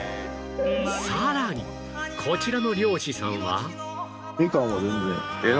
さらにこちらの漁師さんは